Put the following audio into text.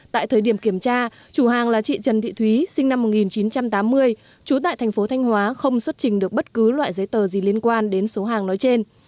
tại thời điểm kiểm tra chủ hàng là chị trần thị thúy sinh năm một nghìn chín trăm tám mươi trú tại thành phố thanh hóa không xuất trình được bất cứ loại giấy tờ gì liên quan đến số hàng nói trên